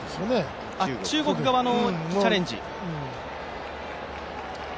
中国側のチャレンジ。